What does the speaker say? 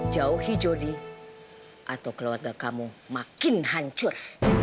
jauhi jodi atau keluarga kamu makin hancur